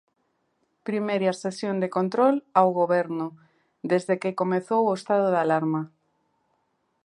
Primeira sesión de control ao Goberno desde que comezou o estado de alarma.